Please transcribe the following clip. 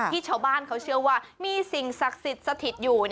ที่ชาวบ้านเขาเชื่อว่ามีสิ่งศักดิ์สถิตต์อยู่